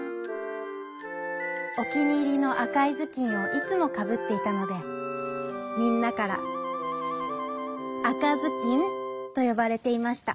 おきにいりのあかいずきんをいつもかぶっていたのでみんなからあかずきんとよばれていました。